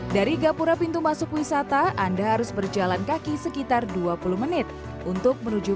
dari gapura pintu masuk wisata anda harus berjalan kaki sekitar dua puluh menit untuk menuju